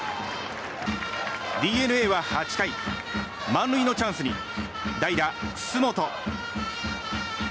ＤｅＮＡは８回満塁のチャンスに代打、楠本。